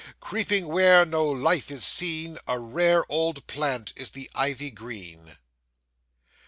Creeping where no life is seen, A rare old plant is the Ivy green.